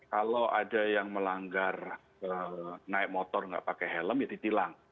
kalau ada yang melanggar naik motor nggak pakai helm ya ditilang